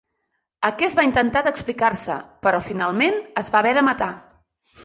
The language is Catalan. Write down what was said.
Aquest va intentar d'explicar-se, però finalment es va haver de matar.